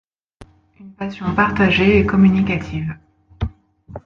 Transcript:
Une passion partagée et communicative.